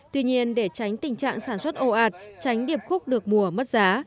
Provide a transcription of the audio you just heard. tuy nhiên để tránh tình trạng sản xuất ồ ạt tránh điệp khúc được mùa mất giá